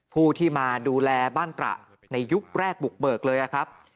ผู้ที่มาดูแลบ้านตระในยุคแรกบุกเบิกเลยครับ